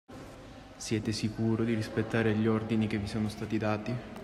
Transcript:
Siete sicuro di rispettare gli ordini che vi sono stati dati?